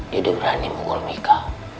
dia udah berani menggol mika